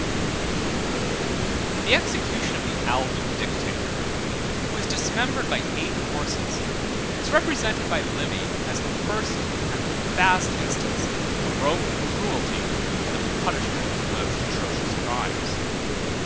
] The execution of the Alban dictator, who was dismembered by eight horses, is represented by Livy as the first and the fast instance of Roman cruelty in the punishment of the most atrocious crimes.